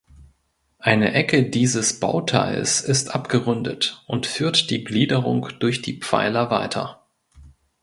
Eine Ecke dieses Bauteils ist abgerundet und führt die Gliederung durch die Pfeiler weiter.